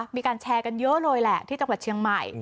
มีการแชร์กันเยอะเลยแหละที่จังหวัดเชียงใหม่